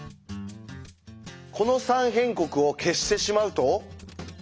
この「三辺国」を消してしまうと？